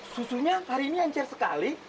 susunya hari ini encer sekali